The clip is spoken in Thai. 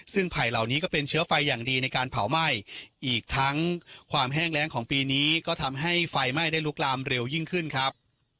ซึ่งไผ่เหล่านี้ก็เป็นเชื้อไฟอย่างดีในการเผาไหม้อีกทั้งความแห้งแรงของปีนี้ก็ทำให้ไฟไหม้ได้ลุกลามเร็วยิ่งขึ้นครับ